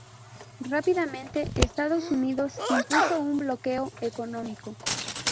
Rápidamente Estados Unidos impuso un bloqueo económico.